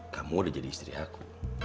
kamu udah jadi istri aku